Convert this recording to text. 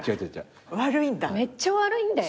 めっちゃ悪いんだよ。